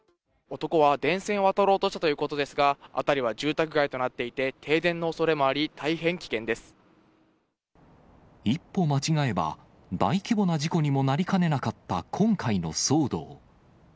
男は電線を渡ろうとしたということですが、辺りは住宅街となっていて、停電のおそれもあり、一歩間違えば、大規模な事故にもなりかねなかった今回の騒動。